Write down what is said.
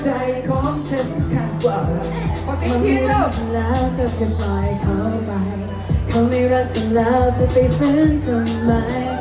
เข้าไปหรอกสักพีชทำไม